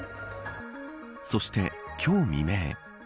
そして今日未明。